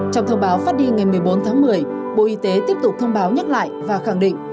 trong thông báo phát đi ngày một mươi bốn tháng một mươi bộ y tế tiếp tục thông báo nhắc lại và khẳng định